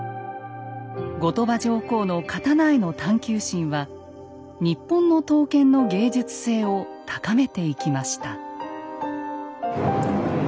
後鳥羽上皇の刀への探究心は日本の刀剣の芸術性を高めていきました。